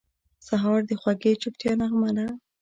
سهار د خوږې چوپتیا نغمه ده.